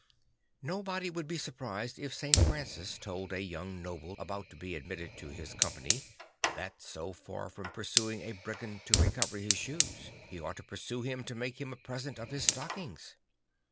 Nobody would be surprised if St. Francis told a young noble, about to be admitted to his company, that so far from pursuing a brigand to recover his shoes, he ought to pursue him to make him a present of his stockings.